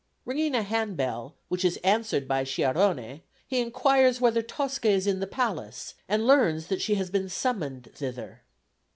Ringing a handbell, which is answered by Sciarrone, he inquires whether Tosca is in the Palace, and learns that she has been summoned thither.